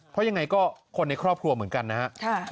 เพราะยังไงก็คนในครอบครัวเหมือนกันนะครับ